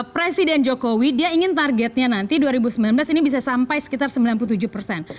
presiden jokowi dia ingin targetnya nanti dua ribu sembilan belas ini bisa sampai sekitar sembilan puluh tujuh persen